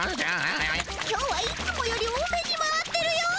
今日はいつもより多めに回ってるよ。